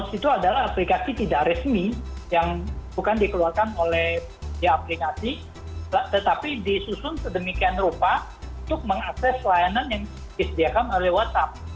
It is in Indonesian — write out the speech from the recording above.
dua ratus itu adalah aplikasi tidak resmi yang bukan dikeluarkan oleh aplikasi tetapi disusun sedemikian rupa untuk mengakses layanan yang disediakan oleh whatsapp